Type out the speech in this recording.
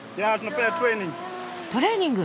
トレーニング。